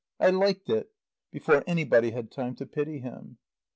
I liked it," before anybody had time to pity him.